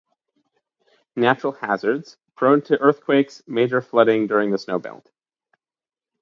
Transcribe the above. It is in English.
Natural hazards: prone to earthquakes, major flooding during the snow melt.